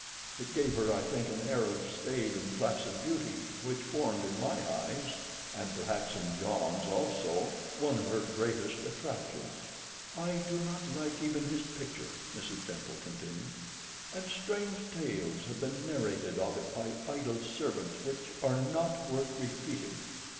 It gave her, I think, an air of staid and placid beauty, which formed in my eyes, and perhaps in John's also, one of her greatest attractions. "I do not like even his picture," Mrs. Temple continued, "and strange tales have been narrated of it by idle servants which are not worth repeating.